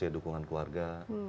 ya dukungan keluarga